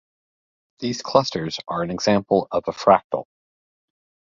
These clusters are an example of a fractal.